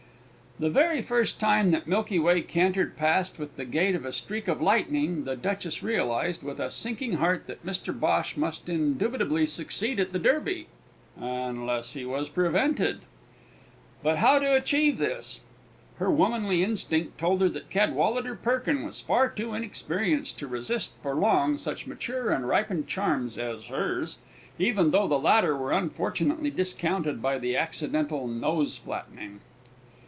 The very first time that Milky Way cantered past with the gait of a streak of lightning, the Duchess realised with a sinking heart that Mr Bhosh must indubitably succeed at the Derby unless he was prevented. But how to achieve this? Her womanly instinct told her that Cadwallader Perkin was far too inexperienced to resist for long such mature and ripened charms as hers even though the latter were unfortunately discounted by the accidental nose flattening.